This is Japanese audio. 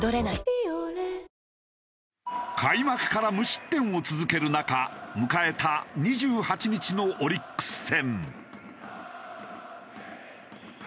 「ビオレ」開幕から無失点を続ける中迎えた２８日のオリックス戦。